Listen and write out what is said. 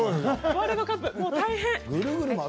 ワールドカップ、大変！